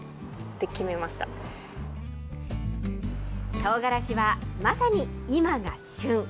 とうがらしは、まさに今が旬。